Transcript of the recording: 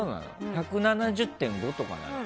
１７０．５とかなのよ。